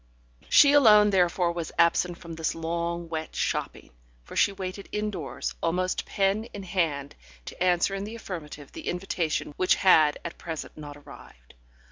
She alone therefore was absent from this long, wet shopping, for she waited indoors, almost pen in hand, to answer in the affirmative the invitation which had at present not arrived.